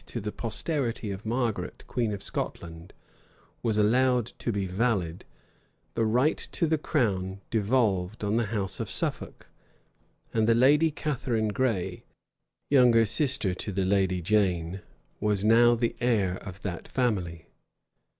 to the posterity of Margaret, queen of Scotland, was allowed to be valid, the right to the crown devolved on the house of Suffolk; and the lady Catharine Gray, younger sister to the lady Jane, was now the heir of that family.